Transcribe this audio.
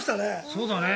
そうだね。